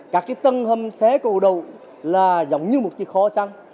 các cái tầng hầm xe cầu đầu là giống như một cái kho xăng